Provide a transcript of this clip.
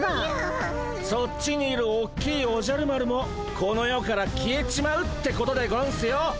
そっちにいるおっきいおじゃる丸もこの世から消えちまうってことでゴンスよ。